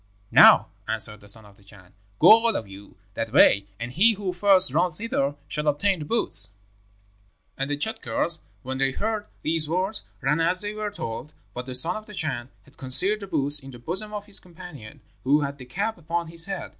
"'Now,' answered the son of the Chan, 'go all of you that way, and he who first runs hither shall obtain the boots.' "And the Tschadkurrs, when they heard these words, ran as they were told; but the son of the Chan had concealed the boots in the bosom of his companion, who had the cap upon his head.